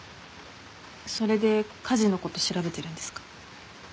それで火事の事調べてるんですか？